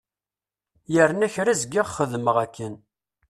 Yerna kra zgiɣ xeddmeɣ akken.